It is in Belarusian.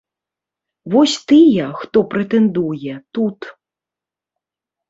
Вось тыя, хто прэтэндуе, тут.